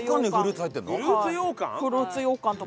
フルーツようかんとか。